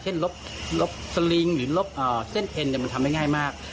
เช่นลบสลิงหรือลบเส้นเอ็นมันทำได้ง่ายมาก